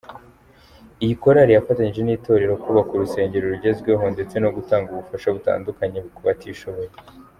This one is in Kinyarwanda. Iyi korali yafatanije n’itorero kubaka urusengero rugezweho ndetse no gutanga ubufasha butandukanye kubatishoboye.